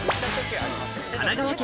神奈川県